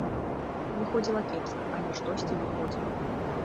Выходзіла кепска, але штосьці выходзіла.